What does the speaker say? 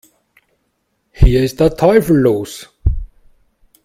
Hier ist der Teufel los!